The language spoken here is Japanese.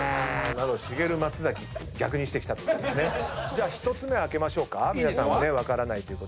じゃあ１つ目開けましょうか皆さん分からないということで。